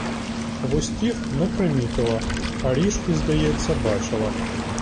Хвостів не примітила, а ріжки, здається, бачила.